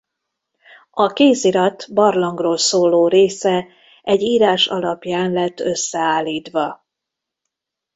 A kézirat barlangról szóló része egy írás alapján lett összeállítva.